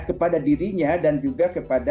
kepada dirinya dan juga kepada